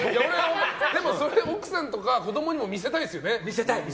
でもそれ、奥さんとか子供にも見せたいよね。